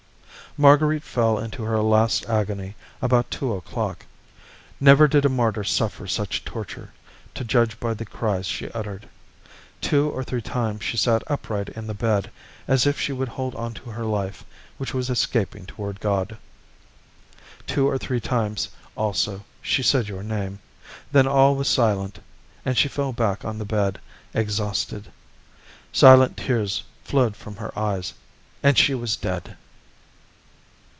Marguerite fell into her last agony at about two o'clock. Never did a martyr suffer such torture, to judge by the cries she uttered. Two or three times she sat upright in the bed, as if she would hold on to her life, which was escaping toward God. Two or three times also she said your name; then all was silent, and she fell back on the bed exhausted. Silent tears flowed from her eyes, and she was dead.